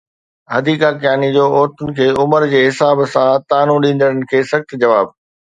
حديقہ ڪياني جو عورتن کي عمر جي حساب سان طعنو ڏيندڙن کي سخت جواب